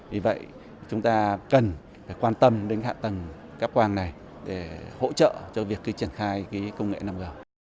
vì vậy chúng ta cần phải quan tâm đến hạ tầng cắp quang này để hỗ trợ cho việc triển khai công nghệ năm g